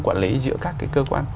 quản lý giữa các cơ quan